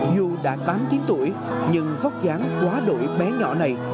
dù đã tám tiếng tuổi nhưng vóc dáng quá đổi bé nhỏ này